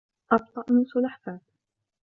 أبطأ من سلحفاة